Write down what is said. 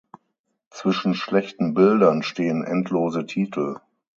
Zwischen schlechten Bildern stehen endlose Titel.